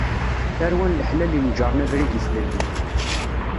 Tarwa n leḥlal inejren abrid i tlelli.